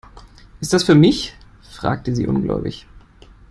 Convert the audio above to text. "Ist das für mich?", fragte sie ungläubig.